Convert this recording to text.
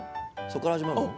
そこから始まるの？